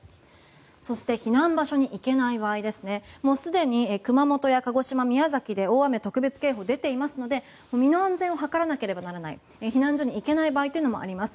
そして避難場所に行けない場合すでに熊本や鹿児島、宮崎で大雨特別警報が出ていますので身の安全を図らなければならない避難所に行けない場合もあります。